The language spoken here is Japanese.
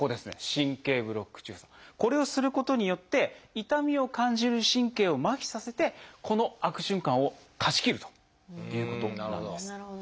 これをすることによって痛みを感じる神経を麻痺させてこの悪循環を断ち切るということなんです。